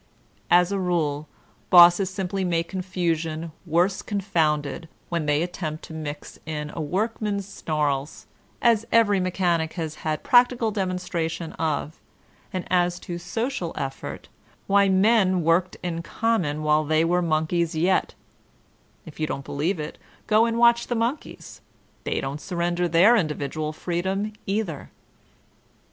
Anarchism 107 As a nile bosses simply make confusion worse confounded when they attempt to mix in a workman's snarls, as every mechanic has had practical demonstration of; and as to social effort, why men worked in common while they were monkeys yet ; if you don't believe it, go and watch the monkeys. They don't surrender their individual free dom, either.